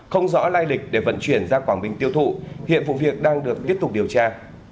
không rõ lai lịch để vận chuyển ra quảng bình tiêu thụ hiện vụ việc đang được tiếp tục điều tra